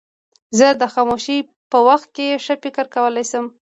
زه د خاموشۍ په وخت کې ښه فکر کولای شم.